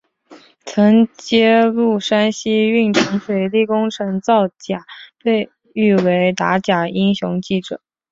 曾揭露山西运城水利工程造假被誉为打假英雄记者。